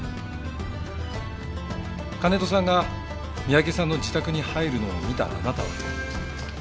金戸さんが三宅さんの自宅に入るのを見たあなたは。